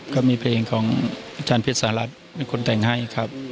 ก็มีเพลงของอาจารย์เพชรสหรัฐเป็นคนแต่งให้ครับ